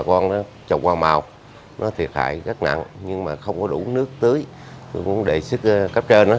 con đó trồng hoa màu nó thiệt hại rất nặng nhưng mà không có đủ nước tưới cũng để sức cấp trên đó